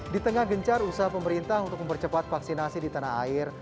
di tengah gencar usaha pemerintah untuk mempercepat vaksinasi di tanah air